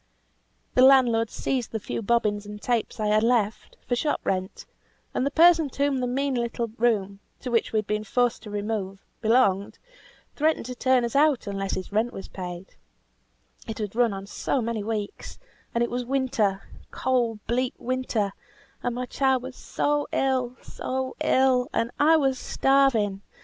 The landlord seized the few bobbins and tapes I had left, for shop rent; and the person to whom the mean little room, to which we had been forced to remove, belonged, threatened to turn us out unless his rent was paid; it had run on many weeks, and it was winter, cold bleak winter; and my child was so ill, so ill, and I was starving.